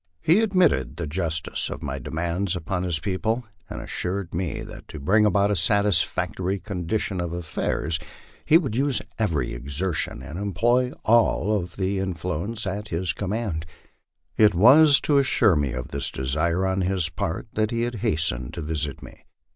He admitted the justice of my demands upon his people, and assured me that to bring about a satisfactory condition of affairs he would use every exertion and employ all the influence at his command. It was to assure me of this desire on his part that he had hastened to visit me.